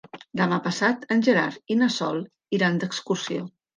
Demà passat en Gerard i na Sol iran d'excursió.